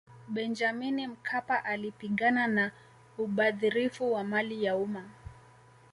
benjamini mkapa alipigana na ubadhirifu wa mali ya umma